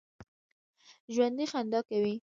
ژوندي خندا کوي